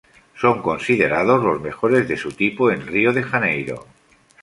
Son considerados los mejores de su tipo en Río de Janeiro.